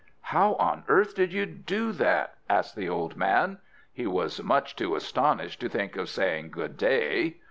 "How on earth did you do that?" asked the old man. He was much too astonished to think of saying good day.